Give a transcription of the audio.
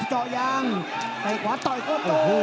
เจาะยางไปขวาต่อยโคตร